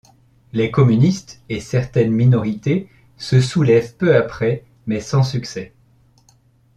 Les communistes et certaines minorités se soulèvent peu après, mais sans succès.